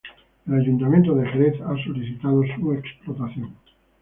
El Ayuntamiento de Jerez ha solicitado su explotación.